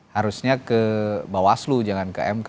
harusnya ke bawaslu jangan ke mk